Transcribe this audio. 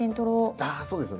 あそうですね。